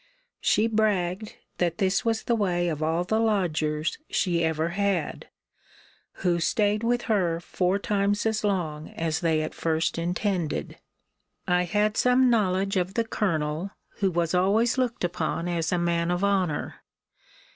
She bragged, that this was the way of all the lodgers she ever had, who staid with her four times as long as they at first intended. I had some knowledge of the colonel, who was always looked upon as a man of honour.